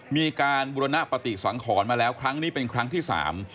มีการบุรณปฏิสังขรมาแล้วครั้งนี้เป็นครั้งที่สาม